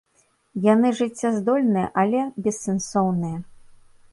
Яны жыццяздольныя, але бессэнсоўныя.